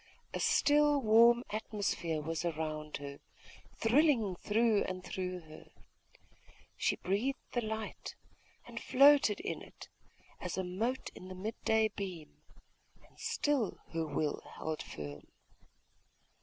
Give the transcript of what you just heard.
A still warm atmosphere was around her, thrilling through and through her .... She breathed the light, and floated in it, as a mote in the mid day beam.... And still her will held firm.